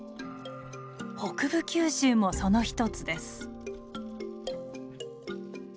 北部九州もその一つです。